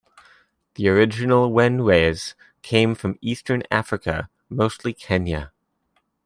The original whenwes came from eastern Africa, mostly Kenya.